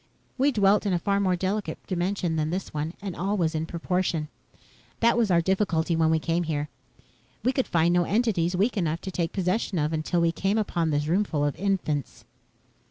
We dwelt in a far more delicate dimension than this one and all was in proportion. That was our difficulty when we came here. We could find no entities weak enough to take possession of until we came upon this roomful of infants."